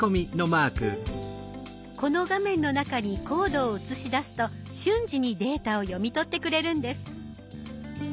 この画面の中にコードをうつし出すと瞬時にデータを読み取ってくれるんです。